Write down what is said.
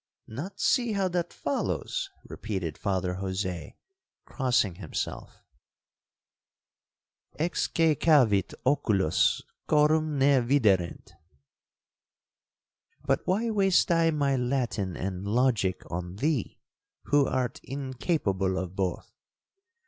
'Not see how that follows!' repeated Father Jose, crossing himself; Excæcavit oculos corum ne viderent. But why waste I my Latin and logic on thee, who art incapable of both?